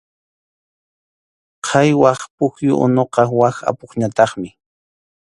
Qhaywaq pukyu unuqa wak apupñataqmi.